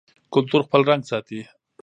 کلتور خپل رنګ ساتي.